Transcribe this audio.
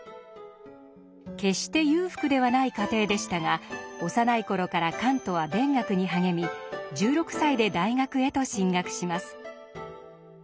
決して裕福ではない家庭でしたが幼い頃からカントは勉学に励み１６歳で大学へと進学します。